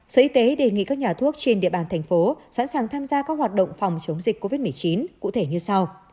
sở y tế đề nghị các nhà thuốc trên địa bàn thành phố sẵn sàng tham gia các hoạt động phòng chống dịch covid một mươi chín cụ thể như sau